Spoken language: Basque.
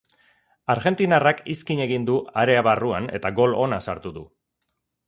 Argentinarrak izkin egin du area barruan eta gol ona sartu du.